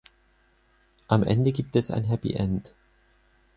Am Ende gibt es ein Happy End.